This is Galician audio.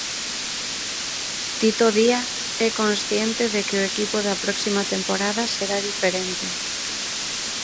Tito Díaz é consciente de que o equipo da próxima temporada será diferente.